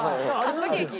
カップケーキ？